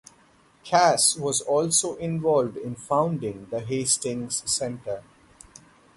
Kass was also involved in founding the Hastings Center.